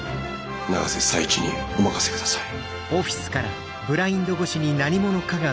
永瀬財地にお任せください。